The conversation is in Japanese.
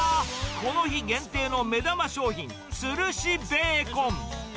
この日限定の目玉商品、つるしベーコン。